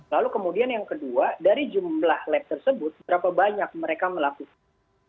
lalu kemudian yang kedua dari jumlah lab tersebut berapa banyak mereka melakukan